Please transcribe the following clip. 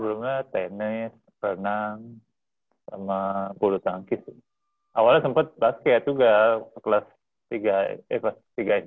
sebelumnya tenis renang sama bulu tangkis awalnya sempat basket juga kelas tiga kelas tiga s